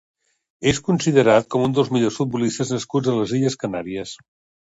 És considerat com un dels millors futbolistes nascuts a les Illes Canàries.